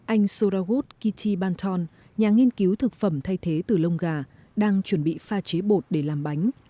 anh souravut kittibantan nhà nghiên cứu thực phẩm thay thế từ lông gà đang chuẩn bị pha chế bột để làm bánh